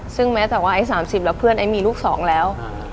ซึ่งแม้แต่ว่าไอ้๓๐แล้วเพื่อนไอ้มีลูก๒แล้ว